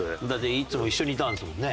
いつも一緒にいたんですもんね。